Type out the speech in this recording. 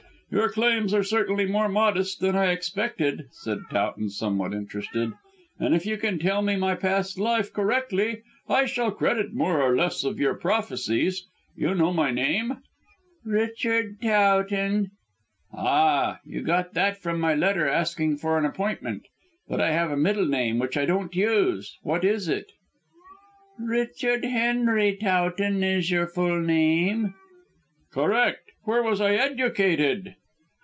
"Your claims are certainly more modest than I expected," said Towton somewhat interested, "and if you can tell me my past life correctly I shall credit more or less your prophecies. You know my name?" "Richard Towton." "Ah you got that from my letter asking for an appointment. But I have a middle name which I don't use. What is it?" "Richard Henry Towton is your full name." "Correct. Where was I educated?"